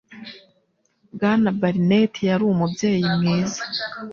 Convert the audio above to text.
Bwana Barnett yari umubyeyi mwiza.